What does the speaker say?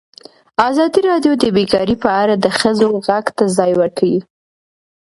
ازادي راډیو د بیکاري په اړه د ښځو غږ ته ځای ورکړی.